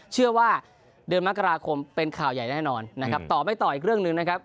เชื่อว่าเดือนมกราคมเป็นข่าวใหญ่แน่นอนนะครับต่อไปต่ออีกเรื่องหนึ่งนะครับ